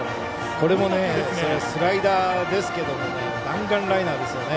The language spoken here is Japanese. これもスライダーですけど弾丸ライナーですよね。